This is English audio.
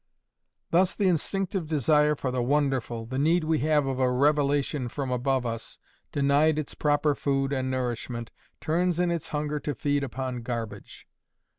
Thus the instinctive desire for the wonderful, the need we have of a revelation from above us, denied its proper food and nourishment, turns in its hunger to feed upon garbage.